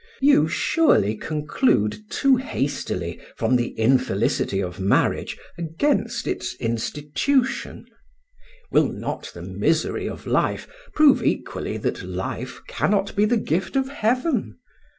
You surely conclude too hastily from the infelicity of marriage against its institution; will not the misery of life prove equally that life cannot be the gift of Heaven?